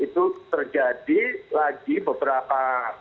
terjadi lagi beberapa